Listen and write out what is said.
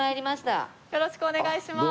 よろしくお願いします。